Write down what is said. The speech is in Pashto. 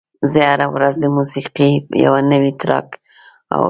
زه هره ورځ د موسیقۍ یو نوی ټراک اورم.